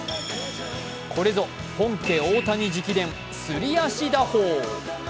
これぞ本家大谷直伝、すり足打法。